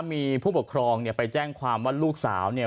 มีผู้ปกครองเนี่ยไปแจ้งความว่าลูกสาวเนี่ย